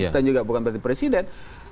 dan juga bukan berarti presiden